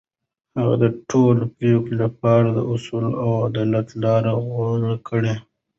هغه د ټولو پرېکړو لپاره د اصولو او عدالت لار غوره کړه.